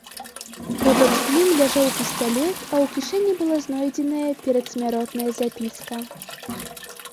Побач з ім ляжаў пісталет, а ў кішэні была знойдзеная перадсмяротная запіска.